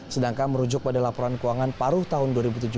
sedangkan merujuk pada laporan keuangan paruh tahun dua ribu tujuh belas